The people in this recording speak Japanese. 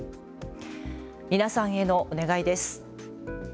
皆さんへのお願いです。